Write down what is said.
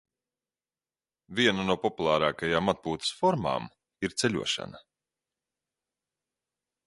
Viena no populārākajām atpūtas formām ir ceļošana.